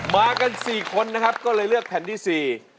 มากัน๔คนนะครับก็เลยเลือกแผ่นที่๔